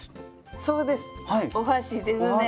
そうですお箸ですね。